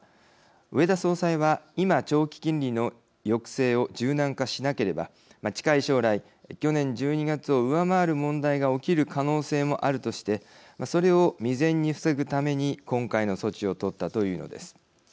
植田総裁は、今長期金利の抑制を柔軟化しなければ、近い将来去年１２月を上回る問題が起きる可能性もあるとしてそれを未然に防ぐために今回の措置を取ったというのです。